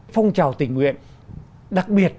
phong trào tình nguyện đặc biệt